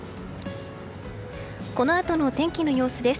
このあとの天気の様子です。